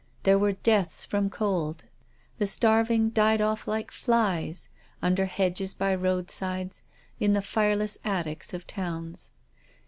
There were deaths from cold. The starving died off like flies, under hedges by roadsides, in the fireless attics of towns.